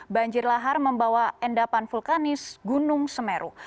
banjir lahar membawa endapan vulkanis gunung semeru